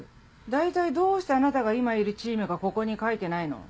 大体どうしてあなたが今いるチームがここに書いてないの？